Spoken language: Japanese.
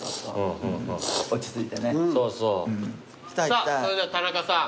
さぁそれでは田中さん。